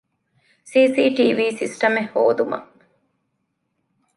ސީސީޓީވީ ސިސްޓަމެއް ހޯދުމަށް